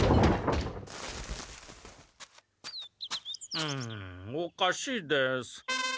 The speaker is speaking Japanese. うんおかしいです。